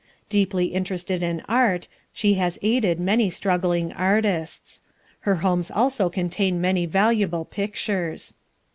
Deeply interested in art, she has aided many struggling artists. Her homes also contain many valuable pictures.